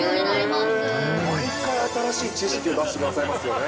毎回新しい知識を出してくださりますよね。